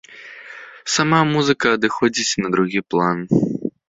Сама музыка адыходзіць на другі план.